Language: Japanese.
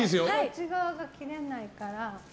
こっち側が切れないから。